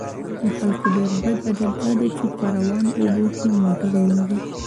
د خلکو ډیر بد عادت دا دی چې په روانو اوبو کې موټر وینځي